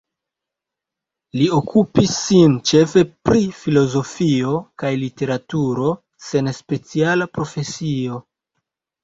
Li okupis sin ĉefe pri filozofio kaj literaturo, sen speciala profesio.